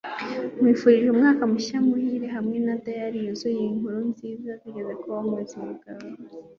nkwifurije umwaka mushya muhire hamwe na diary yuzuye inkuru nziza zigeze kubaho mubuzima bwawe